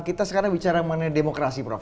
kita sekarang bicara mengenai demokrasi prof